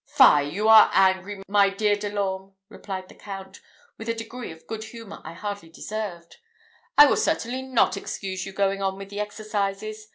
"Fie! you are angry, my dear De l'Orme," replied the Count, with a degree of good humour I hardly deserved. "I will certainly not excuse you going on with the exercises.